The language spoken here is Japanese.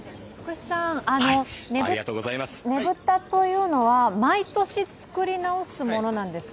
ねぶたというのは毎年作り直すものなんですか？